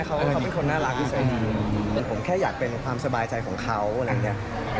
เขาเป็นคนน่ารักเหมือนผมแค่อยากเป็นความสบายใจของเขาอะไรอย่างเงี้ย